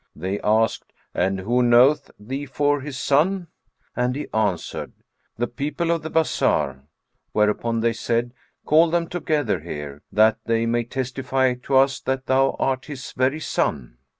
They asked, "And who knoweth thee for his son?"; and he answered, "The people of the bazar whereupon they said, "Call them together, that they may testify to us that thou art his very son."